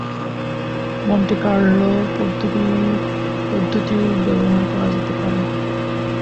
Monty Carlo পদ্ধতি পদ্ধতিও ব্যবহার করা যেতে পারে।